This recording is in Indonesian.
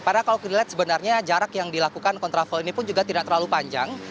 padahal kalau kita lihat sebenarnya jarak yang dilakukan kontraflow ini pun juga tidak terlalu panjang